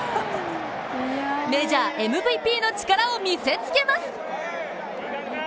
メジャーＭＶＰの力を見せつけます。